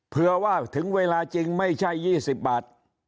เผื่อว่าถึงเวลาจริงไม่ใช่ยี่สิบบาท